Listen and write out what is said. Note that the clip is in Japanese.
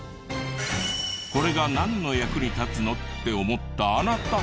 これがなんの役に立つの？って思ったあなた。